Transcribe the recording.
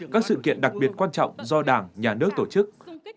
các sự kiện đặc biệt quan trọng do đảng nhà nước tổ chức